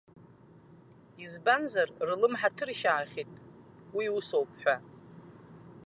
Избанзар, рлымҳа ҭыршьаахьеит, уи усоуп ҳәа.